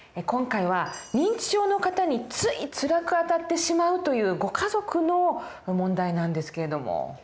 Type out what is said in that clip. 今回は認知症の方についつらくあたってしまうというご家族の問題なんですけれども。